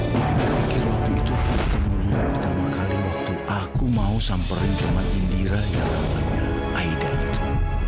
mereka pikir waktu itu aku bertemu lila pertama kali waktu aku mau samperin cuman indira yang namanya aida itu